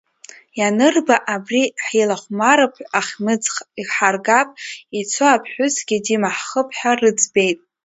Ианырба, абри ҳилахәмарып, ахьмыӡӷ иҳаргап, ицо аԥҳәысгьы димаҳхып ҳәа рыӡбеит.